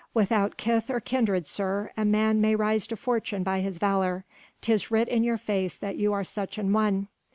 Without kith or kindred, sir, a man may rise to fortune by his valour: 'tis writ in your face that you are such an one.